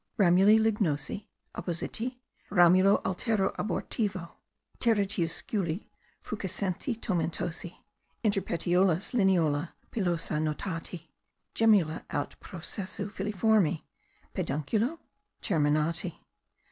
"Ramuli lignosi, oppositi, ramulo altero abortivo, teretiusculi, fuscescenti tomentosi, inter petiolos lineola pilosa notati, gemmula aut processu filiformi (pedunculo?) terminati.